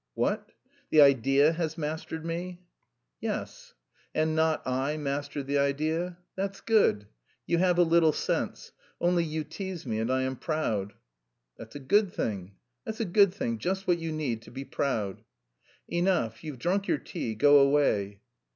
"What? The idea has mastered me?" "Yes." "And not I mastered the idea? That's good. You have a little sense. Only you tease me and I am proud." "That's a good thing, that's a good thing. Just what you need, to be proud." "Enough. You've drunk your tea; go away."